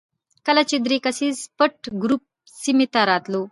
کله چې درې کسیز پټ ګروپ سیمې ته راتلو.